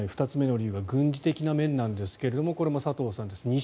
２つ目の理由が軍事的な面なんですがこれも佐藤さんです。